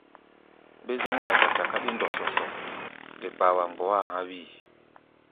Be-zɔ́ŋáʼɛ gasa káɗí ndɔsɔsɔ, de kpaa wa mgbɔá a̧ há̧ wíi.